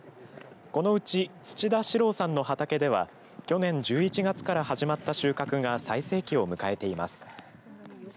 このうち、土田四郎さんの畑では去年１１月から始まった収穫が最盛期を迎えています。